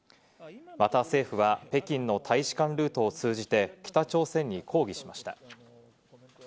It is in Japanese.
また政府は北京の大使館ルートを通じて、北朝鮮に抗議しました。